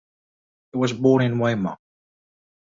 He was born in Weimar.